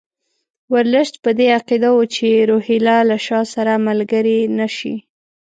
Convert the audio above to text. ورلسټ په دې عقیده وو چې روهیله له شاه سره ملګري نه شي.